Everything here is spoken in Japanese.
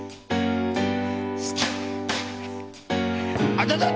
あたた！